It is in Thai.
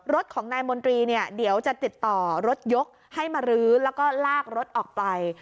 รถของนายมนตรีเนี่ยเดี๋ยวจะติดต่อรถยกให้มารื้อแล้วก็ลากรถออกไป